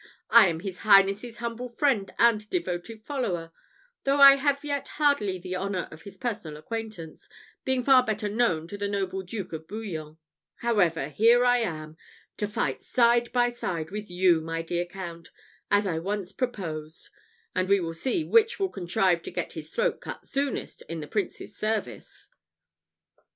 "I am his highness's humble friend and devoted follower; though I have yet hardly the honour of his personal acquaintance, being far better known to the noble Duke of Bouillon. However, here I am, to fight side by side with you, my dear Count, as I once proposed; and we will see which will contrive to get his throat cut soonest in the Prince's service."